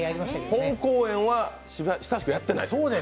本公演は久しくやってない。